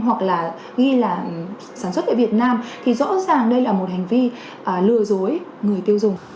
hoặc là ghi là sản xuất tại việt nam thì rõ ràng đây là một hành vi lừa dối người tiêu dùng